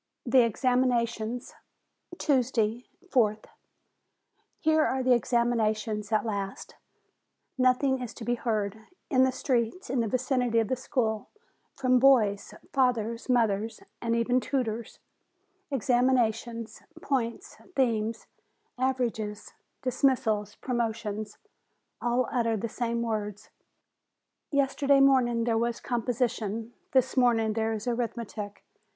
THE EXAMINATIONS Tuesday, 4th. Here are the examinations at last! Nothing else is to be heard, in the streets in the vicinity of the school, from boys, fathers, mothers, and even tutors; examinations, points, themes, averages, dismissals, promotions: all utter the same words. Yesterday morning there was composition; this morning there is arithmetic.